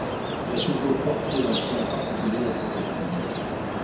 Il a toujours porté un soin particulier à ses costumes.